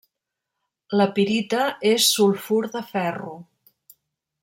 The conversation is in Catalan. La pirita és sulfur de ferro.